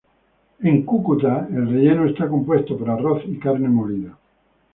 En Cúcuta, el relleno está compuesto por arroz y carne molida.